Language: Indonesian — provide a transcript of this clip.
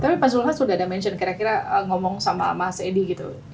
tapi pak zulhas sudah ada mention kira kira ngomong sama mas edi gitu